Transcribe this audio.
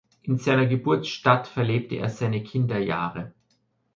In seiner Geburtsstadt verlebte er seine Kinderjahre.